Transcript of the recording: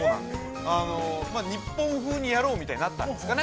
日本風にやろうというふうになったんですかね。